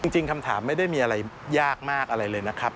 จริงคำถามไม่ได้มีอะไรยากมากอะไรเลยนะครับ